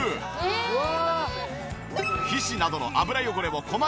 うわ！